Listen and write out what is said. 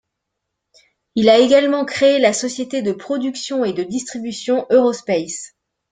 Il a également créé la société de production et de distribution Eurospace.